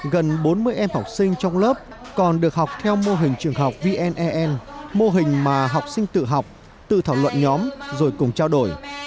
gần bốn mươi em học sinh trong lớp còn được học theo mô hình trường học vne mô hình mà học sinh tự học tự thảo luận nhóm rồi cùng trao đổi